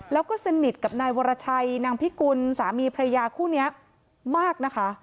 แล้วก็สนิทกับนายวรชัยนางพิกุลสามีพระยาคู่นี้มากนะคะ